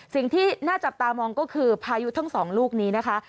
สิ่งที่น่าจับตามองก็คือพายุทั้งสองลูกนี้นะคะ